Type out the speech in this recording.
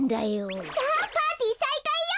さあパーティーさいかいよ！